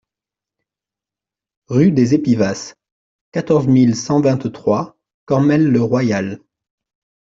Rue des Épivas, quatorze mille cent vingt-trois Cormelles-le-Royal